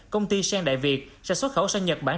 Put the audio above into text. công ty sen đại việt sẽ xuất khẩu sang nhật bản